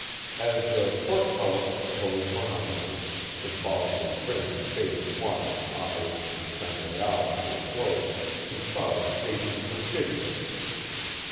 As the "portcullis" closed behind him, symbolically bringing phase one of Operation Sangraal to a close, he thought of Jason Perfidion.